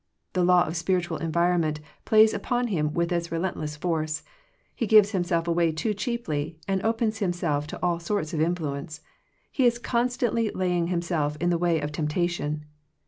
The law of spiritual en vironment plays upon him with its re lentless force. He gives himself away too cheaply, and opens himself to all sorts of influence. He is constantly lay ing himself in the way of temptation.